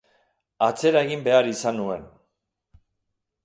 Atzera egin behar izan nuen.